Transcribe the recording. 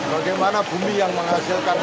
bagaimana bumi yang menghasilkan